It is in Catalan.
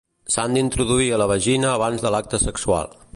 S'han d'introduir a la vagina abans de l'acte sexual.